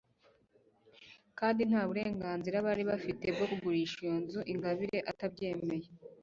kandi ntaburenganzira bari bafite bwo kugurisha iyo nzu ingabire atabyemeye